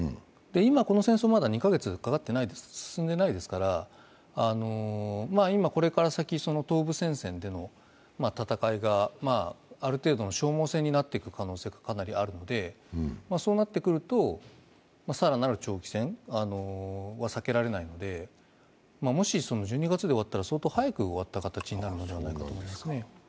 今、この戦争まだ２カ月かかっていないです、進んでいないですから今、これから先、東部戦線での戦いがある程度の消耗戦になっていく可能性があるのでそうなってくると、更なる長期戦は避けられないので、もし１２月で終わったら相当早く終わった形になるのではないかと思います。